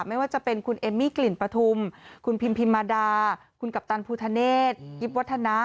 ไม่ว่าจะเป็นคุณเอมมี่กลิ่นปฐุมคุณพิมพิมมาดาคุณกัปตันภูทะเนศกิปวัฒนะ